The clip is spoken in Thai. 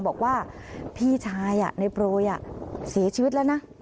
บอกว่าพี่ชายในโปรยเสียชีวิตแล้วนะ